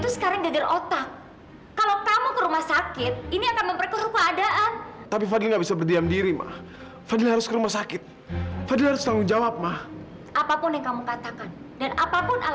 sampai jumpa di video selanjutnya